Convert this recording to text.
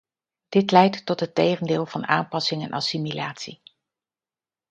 Dit leidt tot het tegendeel van aanpassing en assimilatie.